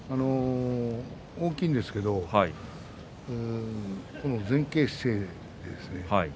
大きいんですけれども前傾姿勢ですね。